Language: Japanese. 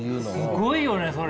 すごいよねそれ。